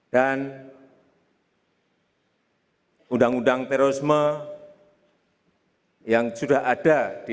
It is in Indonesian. dan undang undang terorisme yang sudah ada di dua ribu delapan belas